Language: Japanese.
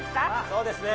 そうですね。